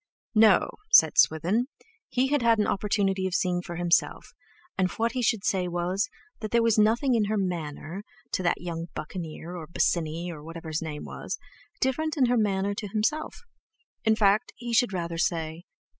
"No," said Swithin, "he had had an opportunity of seeing for himself, and what he should say was, that there was nothing in her manner to that young Buccaneer or Bosinney or whatever his name was, different from her manner to himself; in fact, he should rather say...."